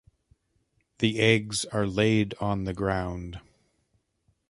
The eggs are laid on the ground.